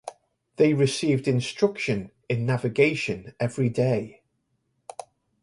They received instruction in navigation every day.